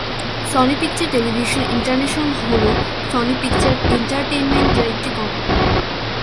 Sony Picture Television International হল Sony Picture Entertainment এর একটি কোম্পানী।